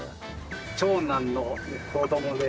長男の子どもで。